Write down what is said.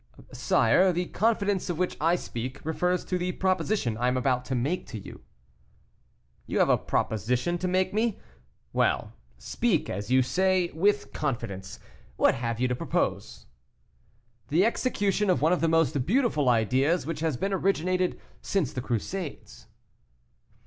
"Sire, the confidence of which I speak refers to the proposition I am about to make to you." "You have a proposition to make to me! Well, speak, as you say, with confidence. What have you to propose?" "The execution of one of the most beautiful ideas which has been originated since the Crusades."